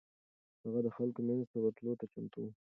هغه د خلکو منځ ته ورتلو ته چمتو و.